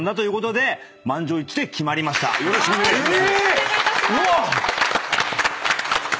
よろしくお願いします。